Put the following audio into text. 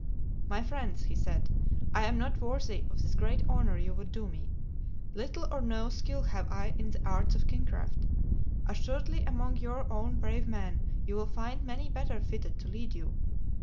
"My friends," he said, "I am not worthy of this great honor you would do me. Little or no skill have I in the arts of kingcraft. Assuredly among your own brave men you will find many better fitted to lead you.